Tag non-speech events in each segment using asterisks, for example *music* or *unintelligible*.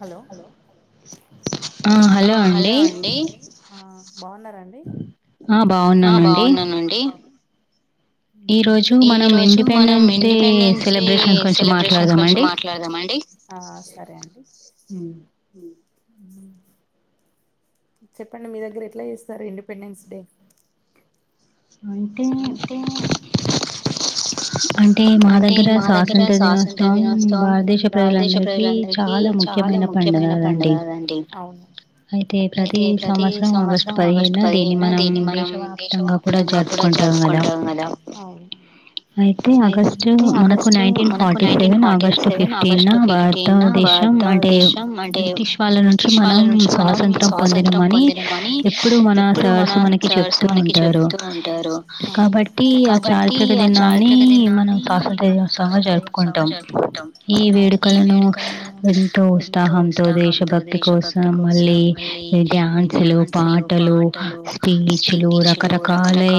Hello ఆ hello అండి బాగున్నారండి ఆ బాగున్నానండి ఈ రోజు మనం ఇండిపెండెన్స్ డే సెలబ్రేషన్స్ గురించి మాట్లాడదామం అండి అ *inaudible* చప్పండి మీ దగ్గర ఎట్లా జేస్తరు ఇండిపెండెన్స్ డే అంటే అంటే మా దగ్గర స్వాతంత్ర దినోత్సవం భారతదేశ ప్రజలందరికీ చా చాలా ముఖ్యమైన పండుగ గదండి అవును అయితే అయితే ప్రతి సంవత్సరం ఆగస్టు పదిహేడన దీన్ని మనం దేశో తంగా కుడా జరుపుకుంటామ్ గదా అయితే ఆగస్టు మనకు nineteen forty seven August fifteen నా భారతదేశం అంటే బ్రిటిష్ వాళ్ళ నుంచి మనం స్వాతంత్రం పొందినమని ఎప్పుడు మన సర్స్ మనకి చెప్తు ఉంటారు కాబట్టి ఆ చారిత్రక దినాన్ని మనం సాసంత్ర సంగ జరుపుకుంటాం ఈ వేడుకలను ఎంతో ఉత్సాహంతో దేశభ ఆ మళ్ళీ డ్యాన్సులు పాటలు స్పీచ్లు రకర కాలై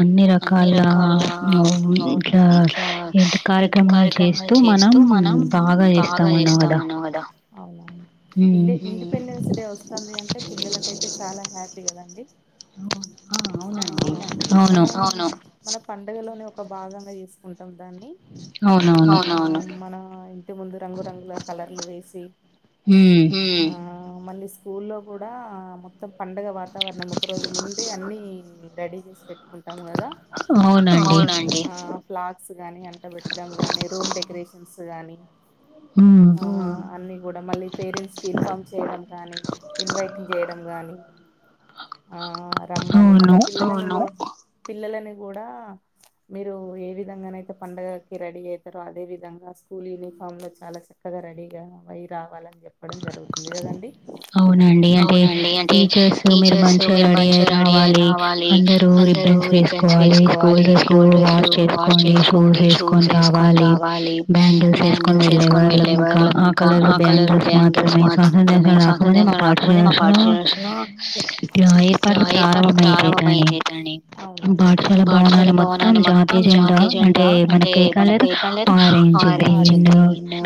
అన్ని రకాల మొ ఇట్లా ఇంటి ఇంటి కార్యక్రమాలు చేస్తూ మనం బాగా ఏస్తాం అన్నావ్ గదా ఇండే ఇండిపెండెన్స్ డే వస్తాంది అంటే పిల్లలకైతే చాలా హ్యాపీ గదండి అవునండి అవును పండుగలోనే ఒక భాగంగా చేసుకుంటాం దాన్ని మనం ఆ ఇంటి ముందు రంగురంగుల కలర్లు వేసి హు మమ్మళ్ని స్కూల్లో కూడా మొత్తం పండుగ వాతావరణం ఒక రోజు ముందే అన్నిీ రెడీ చేసుకొని పెట్టుకుంటాం కదా అం గాని అంటబెట్టడం గాని రూమ్ డెకరేషన్స్ గానీ అన్ని కూడ మళ్ళీ పేరెంట్స్ కి ఇన్ఫార్మ్ చేయడం కానీ సిమ్ బైటింగ్ చేయడం గానీ ఆ రమ్మని మళ్ళా పిల్ల పిల్లలని కూడా మీరు ఏ విధంగానయితే పండుగకి రెడీ అయితరో అదే విధంగా స్కూల్ యూనిఫామ్ లో చాలా చక్కగా రెడీగా అయి రావాలని చెప్పడం జరుగుతుంది కదండి అవునండి అంటే టీచర్స్ మీరు మంచిగా రెడీ అయి రావాలి అందరుూ రిబ్బన్స్ వేసుకోవాలి స్కూల్ డ్రస్లు వాష్ చేసుకోండి షూస్ వేసుకొని రావాలి లి బ్యాంగిల్స్ వేసుకొని వెళ్ళే వాళ్ళం ఇంకా ఆ కలర్ బ్యాంగిల్స్ మాత్రమే సందేశాలు రాకముే మా పాఠశశలో ఇట్ల ఏర్పాట్లు ప్రారంభమయ్య చేతని అవునండి పాఠశాల భవనాన్ని మొత్తం జాతీయ జెండా అంటే మనకి ఏ కలర్ ఆరెంజ్ గ్రీన్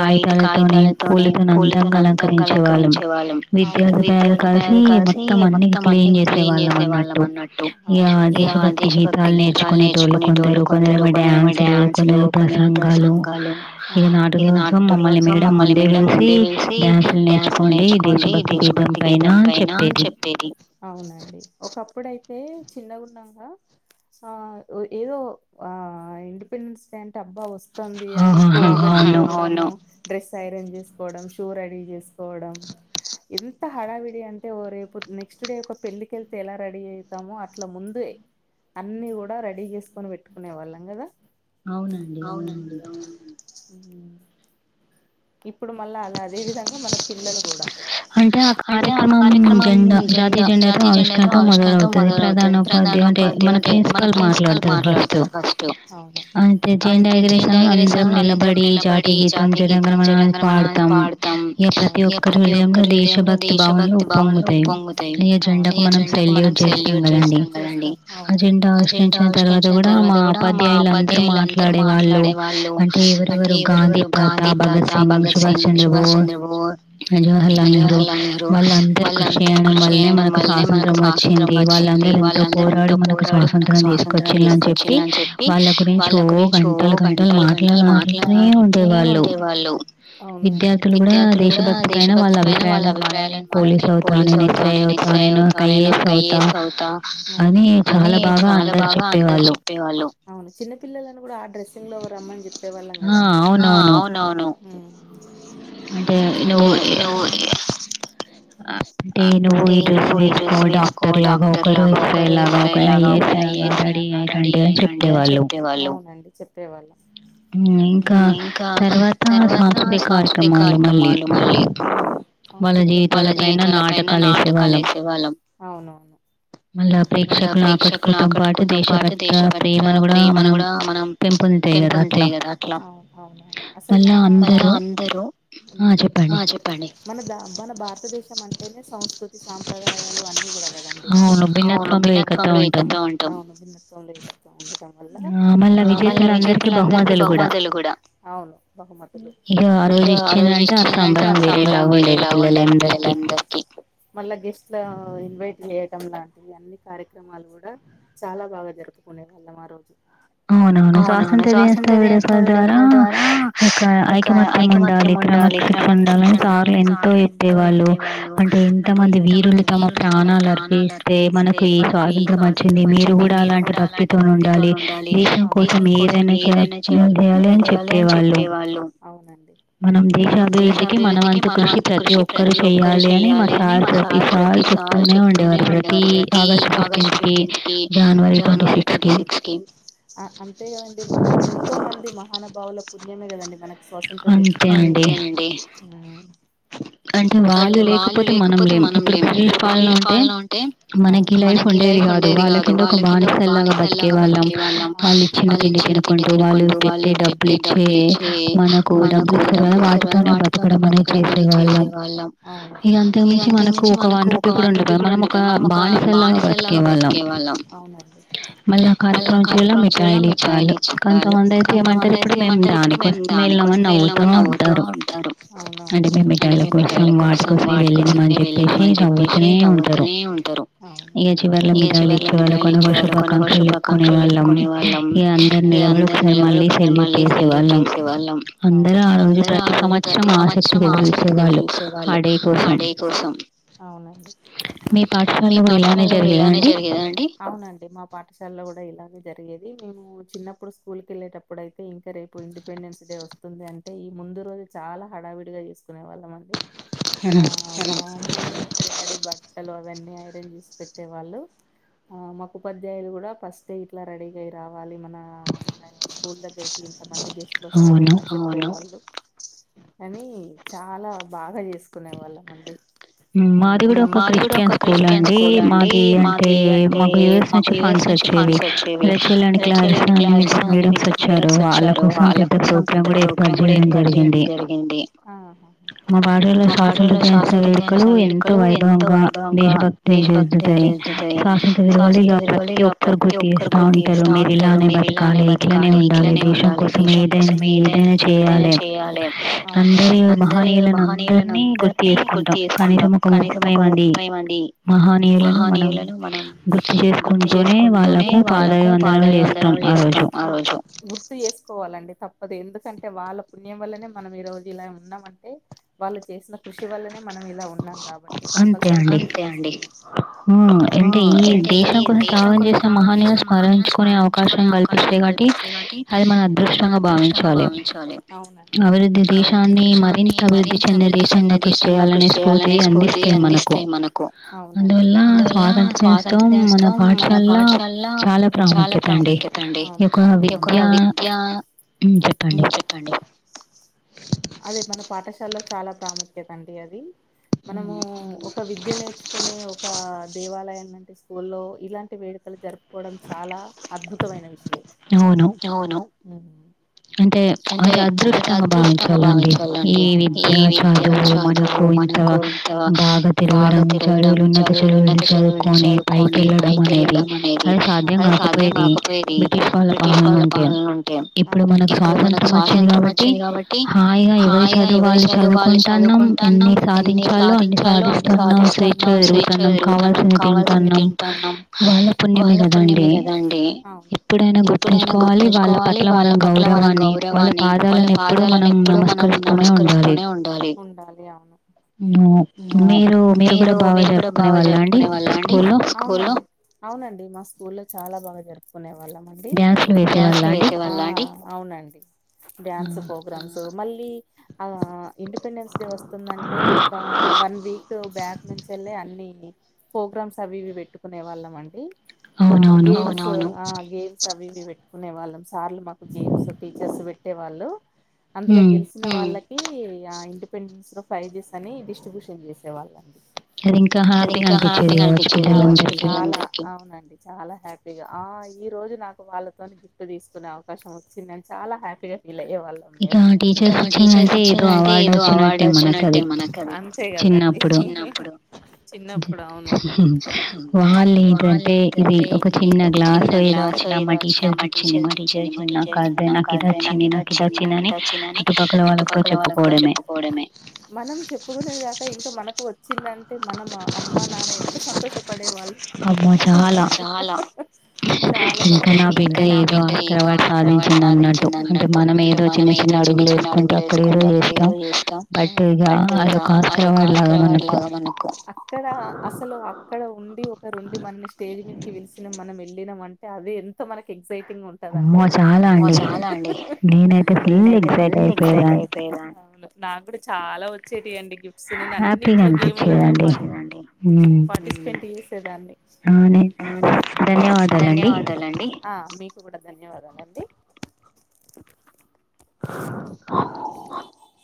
వైట్ కాగితాలతోనే పూల అలంకరించే వాళ్ళం విద్యపా కలిసి మొత్తం అన్ని క్లీన్ చేసే వాళ్ళం అన్నట్టు ఇక దేశభక్తి గీతాలు నేర్చుకునే టోళ్ళు కొందరు కొందరేమో డ్యాన్స్లు కొందరు ప్రసంగాలు ఇక నాట కోసం మమ్మల్ని మేడం ముందే పిలిచి డ్యాన్సులు నేర్చుకోండి దేశభక్తి గీతం పైన అని చెప్పేది అవునం ఇప్పుడైతే చిన్న గున్నంగా ఆ ఏదో ఆ ఇండిపెండెన్స్ డే అంటే అబ్బా వస్తుంది. అనేది డ్రస్ ఐరన్ కోవడం షూ రెడీ చేసుకోవడం ఎంత హడావిడి అంటే ఓ రేపు నెక్స్ట్ డే ఒక పెళ్ళకిళ్తే ఎలా రెడీ అవుతామో అట్లా ముందే అన్ని కూడ రెడీ చేసుకొని పెట్టుకునే వాళ్ళం కదా అవునండి అవును ఇప్పుడు మళ్ళా అలా అదే విధంగా మన పిల్లలు కూడా అంటే ఆ కార్యక్రమం జెండా జాతీయ జెండాతో ఆవిష్కార నతో మొదలవుతుంది ప్రధాన ఉపాధ్యాయలు అంటే మన ప్రిన్సిపాల్ మాట్లాడతడు ఫస్ట్ అయితే జైన్ గ్రే అందరం నిలబడి జాతియ గీతం జనగన మన అని పాడుతాం ఇక ప్రతి ఒక్కరి హృదయంలో దేశభక్తి భవన్ లో పొంగుతాయి ఈ జెండాకు మనం సెల్యు చేస్తాం కదండి అవునండి అజెండా ఆవిష్కరించిన తర్వాత కూడా మా ఉపాధ్యాయులు అందరు మా మాట్లాడే వాళ్ళు అంటే ఎవరెవరు గాంధీ తాత భగత్ సింగ్ సుభాష్ చంద్రబోస్ జవహర్లాల్ నెహ్రూ వాళ్ళ అందరుూ కృషి చేయడం వల్నే మనకు స్వాతంత్రం వచ్చి వాళ్ళందరూ ఎంతో పోరాడి మనకు స్వాతంత్రం తీసుకొచ్చి అని చెప్పి వాళ్ళ గురించి ఓ గంటలు గంటలు మాట్లాడుతునే ఉండే వాళ్ళు అవు విద్యార్థులు కూడా దేశభక్తి పైన వాళ్ళ అభిప్రాయాలమాన నేను పోలీస్ అవుతాను నేను ఎస్ఐ అవుతా నేను ఐ ఎ ఎస్ అవుతా అని చాల బాగా అందరు చెప్పేవాళ్ళు ఆ అవున్ నవును నువ్వు ఆ అంటే నువ్వు ఈ డ్రెస్ వేసుకో డాక్టర్ లాగ ఒకరు ఎస్ఐ లాగా ఒక ఐఏఎస్ లాగా రెడీ రెడీ అయి రండి అని చెప్పేవాళ్ళు అండి చెప్పేవాళ్ళు ఇంకా తర్వాత సాంస్కృతిక కార్యక్రమాలు మళ్ళీ వాళ్ళ జీవితాల పైన నాటకాలు వేసేవాళ్ళం మళ్ళా ప్రేక్షకులను ఆకట్టుకోతో పాటు దేశభట్ట ప్రేమను కూడా మనం పెంపొం తెగ అట్లా *unintelligible* అంటేనే సంస్కృతి సాంప్రదాయాలు అన్నీ కూడా కదండి అవును భిన్నత్వంలో ఏకత్వం అంటాము మళ్ళ విజేతలు అందరిక బహుమతులు కూడా ఇక ఆ రోజు ఇచ్చిందంటే ఆ సంబరం వేరేలాగా ఉండేది పిల్లలందరికి మల్లా గెస్ట్లో ఇన్వైట్ చెయ్యడం లాంటివి ఈ అన్ని కార్యక్రమాలు కూడా చాలా బాగా జరుపుకునే వాళ్ళం ఆ రోజు అవునవును స్వాతంత్ర దినోత్సవ వేడుకల ద్వారా యొక్క ఐకమత్యం ఉండాలి క్రమ శిక్షణ ఉండాలని సార్లు ఎంతో చెప్పేవాళ్ళు అంటే ఎంత మంది వీరులు తమ ప్రా మ ప్రాణాలు ఆర్ తే మనకు ఈ స్వాతంత్ర్యం వచ్చింది మీరు కూడా అలాంటి భక్తితోన ఉండాలి దేశం కోసం ఏదైనా చేయాలి అని చెప్పేవాళ్ళు మనం దేశ అభివృద్ధికి మనమంత కృషి ప్రతి ఒక్కరు చెయ్యాలి అని మా సార్ ప్రతి సార్ చెప్తూనే ఉండి ప్రతి ఆగస్ట్ ఫిఫ్టీన్త్ కి జనవరి ట్వంట సిక్స్ కి అంతేగదండి మన ఎంతో మంది మహానుభావుల పుణ్యమే కదండి మనకి స్వతంత్రం తెచ్చుకోవడం అలాంటే వాళ్ళు లేకపోతే మనంలేం ఇప్పుడు బ్రిటీష్ పాలన ఉంటే మనకి లైఫ్ ఉండేది కాదు వాళ్ళ కింద ఒక బానిసల లాగా బతికే వాళ్ళం వాళ్ళు ఇచ్చి తిండి తినుకుంటూ వాళ్ళు పెట్టే డబ్బులు ఇచ్చే మనకు డబ్బులు ఇస్తారు కదా వాటితోనే బతు చేసేవాళ్ళం ఇక అంతకుమించి మనకు ఒక వన్ రూపి కూడా ఉండదు మనము ఒక బానిసల్ లాగా బతికే వాళ్ళం మళ్ళీ ఆ కార్యక్రమం చేయాల మిఠాయిలు ఇచ్చి చెప్పాలి కొంతమంది అయితే ఏమంటారు ఇప్పుడు మేము దాని దానికోసమే వెళ్ళామని నవ్వుతూ ఉంటారు అంటే మేము మిఠాయిల కోసం వాటి కోసంమే వెళ్ళినం అని చెప్పేసి నవ్వుతూనే ఉంటారు ఇగ చివరిలో మిఠాయిలు ఇచ్చేవాళ్ళం ఒకరినొకరం శుభాకాంక్షలు చెప్పుకునే వాళ్ళం ఇగ అందరు నిలబలు ఒకసారి మళ్ళీ సెల్యూట్ చేసేవాళ్ళం అందరు ఆ రోజు ప్రతి సంవత్సరం ఆసక్తిగా ఎదురుచూసేవాళ్ళు అ డే కోసం మీ పాఠశాలలో కూడా ఇలానే జరిగేదా అండి జరిగేది మేము చిన్నప్పుడు స్కూల్ కి వెళ్ళేటప్పుడు అయితే ఇంకా రేపు ఇండిపెండెన్స్ డే వస్తుంది అంటే ఈ ముందు రోజు చాలా హడావిడిగా చేసుకునే వాళ్ళం అండి *unintelligible* ప్రిపేర్ చేసి పెట్టేవాళ్ళు ఆ మాకు ఉపాధ్యాయులు కూడా ఫస్ట్ ఇట్లా రెడీ అయి రావాలి మన మన స్కూల్ దగ్గర రకి ఇంతమంది గెస్ట్ లు వస్తారు అని చెప్పడం కానీ చాలా బాగా చేసుకునే వాళ్ళమండి మేము కూడా స్కూల్ అండి మాది అంటే మాకు యూఎస్ నుంచి ఫండ్స్ వచ్చేవి లా *unintelligible* ఆహా మా భారత దేశం స్వాతంత్ర దినోత్సవ వేడుకలు ఎంతో వైభవంగా దేశభక్తి *inaudible* బతకాలే ఇట్లనే ఉండాలే దేశం కోసం ఏదైనా ఏదైనా చేయాలే అం అందరి మహానీయులను అందరినీ గుర్తు చేసుకుంటాం కనీసం ఒక ముప్పై మంది మహానీయులను మనం గుర్తు చేసుకుంటూనే వాళ్ళకు పాదాభివందనాలు జేస్తాం. చేస్తాం ఆ రోజు గుర్తు చేసుకోవాలండి తప్పదు ఎందుకంటే వాళ్ళ పుణ్యం వల్లనే మనం ఈ రోజు ఇలా ఉన్నామంటే వాళ్ళు చేసిన కృషి వల్లనే మనం ఇలా ఉన్నాం కాబట్టి కంపల్సరీగా అంతే అండి ఆ అంటే ఈ దేశం కోసం త్యాగం చేసిన మహానీయులను స్మరించుకునే అవకాశం కలిపి కల్పిస్తాయ్ కాబట్టి అది మనం అదృష్టంగా భావించాలి అవునండి అభివృద్ధి దేశం దాన్ని మరింత అభివృద్ధి చెందే దేశంగా కృషి చేయాలనే స్ఫూర్తి అందిస్తాయి మనకు అవునండి అందువల్ల స్వాతంత్ర్య దినోత్సవం మన పాఠశాలల చాలా ప్రాముఖ్యం. చెప్పండి ఈయొక్క విద్యా ఉమ్ చెప్పండి. అదే మన పాఠశాలలో చాలా ప్రాముఖ్యత అండి అది మనము ఒక విద్య నే ఒక దేవాలయం లాంటి స్కూల్లో ఇలాంటి వేడుకలు జరుపుకోవడం చాలా అద్భుతమైన విషయం. అవును అంటే అది అదృష్టంగా భావించాలండి ఈ విద్య చదువు మనకు ఇంత బాగా తె గడం చదువులు ఉన్నత చదువులు చదువుకొని పైకి వెళ్ళడం అనేది అది సాధ్యం గాకపో పోయేది బ్రిటీష్ వాళ్ళ పాలన ఉంటే అవునండి ఇప్పుడు మనకు స్వాతంత్ర్యం వచ్చింది కాబట్టి హాయిగా ఎవరి చదువు వాళ్ళు చదువుకుంటా మనం ఎన్ని సాధించాలో అన్ని సాధిస్తాం. మనం స్వేచ్ఛగా తిరుగుతున్నాం కావాల్సింది తింటాన్నాం వాళ్ళ పుణ్యమే గదండి ఎప్పుడైనా గుర్తుంచుకోవాలి వాళ్ళ పట్ల మన గౌరవాన్ని వాళ్ళ పాదాలను ఎప్పుడూ మనం నమస్కరిస్తూనే ఉండాలి ఉండాలి అవును మీరు మీరు మీరు గూడా బాగా జరుపుకునే వాళ్ళా అండి స్కూల్లో అవునండి మా స్కూల్ లో చాలా బాగా జరుపుకునే వాళ్ళమండి డ్యాన్స్ వేసే వాళ్ళా అండి అవునండి డ్యాన్స్ ప్రోగ్రామ్స్ మళ్ళీ ఆ ఇండిపెండెన్స్ డే వస్తుందంటే ఒక వన్ వీక్ బ్యాక్ నుంచెళ్ళే అన్ని ప్రోగ్రామ్స్ అవి ఇవి పెట్టుకునే వాళ్ళం అండి ఆ గేమ్స్ గేమ్స్ అవి పెట్టుకునే వాళ్ళం సార్లు మాకు గేమ్స్ టీచర్స్ పెట్టే వాళ్ళు అందులో గెలిచిన వాళ్ళకి ఆ ఇండిపెండెన్స్ లో ప్రైజస్ అని డిస్ట్రిబ్యూషన్ చేసి అది ఇంకా హ్యాపీగా అనిపించేది కావచ్చు పిల్లలందరికి చాలా హ్యాపీగా ఆ ఈ రోజు నాకు వాళ్ళతోని గిఫ్ట్ తీసుకునే అవకాశం వచ్చింది అని చాలా హ్యాపీగా ఇక టీచర్స్ ఇచ్చిరంటే ఏదో అవార్డు వచ్చినట్టే మనకు కదా అంతే గదండి చిన్నప్పుడు చిన్నప్పుడు అవును వాళ్ళు ఏంటిదంటే ఇది ఒక చిన్న గ్లా సో ఏదో వచ్చినా మా టీచర్ ఇచ్చింది మా టీచర్ ఇచ్చింది నా కాది నాకు ఇదో వచ్చింది నా కిదోచ్చిందని చుట్టుపక్కల వాళ్ళతో చెప్పుకోవడమే మనం చెప్పుకునేది కాక ఇంక మనకు వచ్చిందంటే మన అమ్మ నాన్న ఎంత సంతోషపడే వాళ్ళు అబ్బా చాలా సంతోష పడే వాళ్ళు ఇంక నా బిడ్డ ఏదో ఆస్కార్ అవార్డు సాధించింది అన్నట్టు అంటే మనం ఏదో చిన్న అడుగు యేసుకుంటు అక్కడ ఏదో చేస్తాం దట్ ఆ అది ఒక ఆస్కార్ అవార్డు లాగా మనకు అక్కడ అసలు అక్కడ ఉండి ఒక రుండి మనని స్టేజ్ మీదికి పి మనం వెళ్ళినా అంటే అదే ఎంత మనకి ఎగ్జైట్ ఉంటద అంటే అమ్మా చాలా అండి నేనైతే ఫుల్ ఎక్సైట్ అయిపోయేద నాకు కూడా చాలా వచ్చేటి అండి గిఫ్ట్స్ నేను అన్నిట్లో గేమ్ లల్లో పార్టిసిపెంట్ చేసేదాన్ని అవును ధన్యవాదాలు అండి. ఆ కూడా ధన్యవాదాలు అండి ఓ